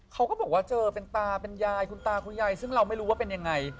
เขาก็บอกว่าเจอเป็นตาเป็นยายคุณตาคุณยายซึ่งเราไม่รู้ว่าเป็นยังไง